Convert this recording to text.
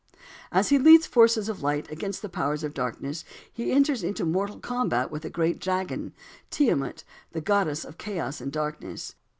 As he leads the forces of light against the powers of darkness he enters into mortal combat with the great dragon, Tiamat, the goddess of chaos and darkness.